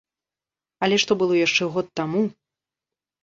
Але што было яшчэ год таму!